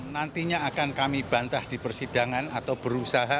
nantinya akan kami bantah di persidangan atau berusaha